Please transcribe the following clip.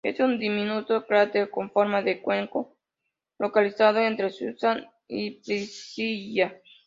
Es un diminuto cráter con forma de cuenco, localizado entre Susan y Priscilla.